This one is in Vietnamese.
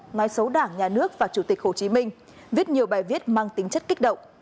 nói xấu đảng nhà nước và chủ tịch hồ chí minh viết nhiều bài viết mang tính chất kích động